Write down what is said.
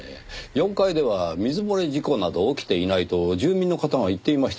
４階では水漏れ事故など起きていないと住民の方が言っていましたが。